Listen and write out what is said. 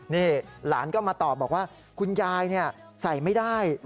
นี่หลานก็มาตอบบอกว่าคุณยายใส่ไม่ได้